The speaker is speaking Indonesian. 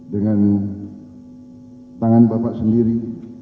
dengan tangan bapak sendiri